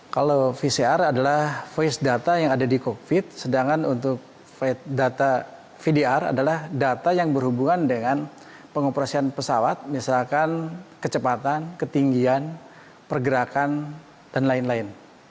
kalau vcr adalah voice data yang ada di covid sedangkan untuk data vdr adalah data yang berhubungan dengan pengoperasian pesawat misalkan kecepatan ketinggian pergerakan dan lain lain